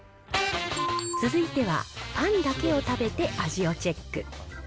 続いてはパンだけを食べて味をチェック。